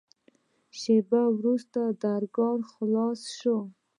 شېبه وروسته درګاه خلاصه سوه.